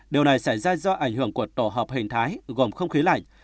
điều này xảy ra do ảnh hưởng của tổ hợp hình thái gồm không khí lạnh